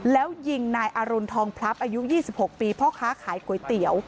แล้วยิงนายอรุณทองพลับอายุ๒๖ปีพ่อค้าขายก๋วยเตี๋ยว